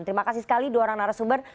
terima kasih sekali dua orang narasumber